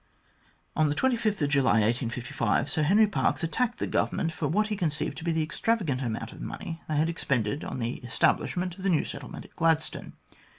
On July 25, 1855, Sir Henry Parkes attacked the Govern ment for what he conceived to be the extravagant amount of money they had expended on the establishment of the new settlement at Gladstone.